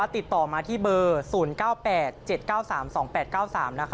ติดต่อมาที่เบอร์